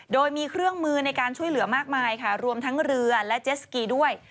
โดยมีเครื่องมือในการช่วยเหลือมากมายค่ะรวมทั้งเรือและเจสสกีด้วย